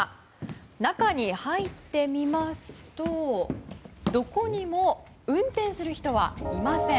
中に入ってみますとどこにも運転する人はいません。